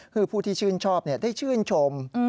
คือผู้ที่ชื่นชอบได้ชื่นชม